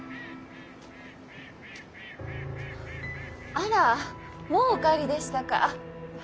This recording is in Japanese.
あらもうお帰りでしたか。